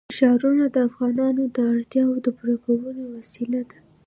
ښارونه د افغانانو د اړتیاوو د پوره کولو وسیله ده.